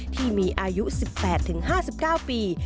ที่มีอายุ๑๘๕๙ปี